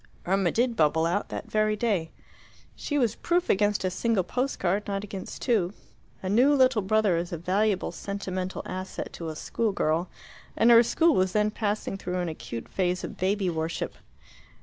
Irma did bubble out, that very day. She was proof against a single post card, not against two. A new little brother is a valuable sentimental asset to a school girl, and her school was then passing through an acute phase of baby worship.